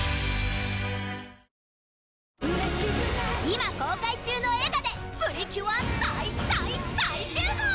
今公開中の映画でプリキュア大大大集合！